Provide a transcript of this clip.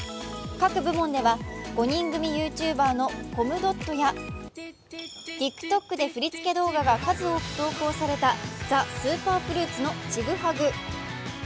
各部門では５人組ＹｏｕＴｕｂｅｒのコムドットやＴｉｋＴｏｋで振り付け動画が数多く投稿されたＴＨＥＳＵＰＥＲＦＲＵＩＴの「チグハグ」。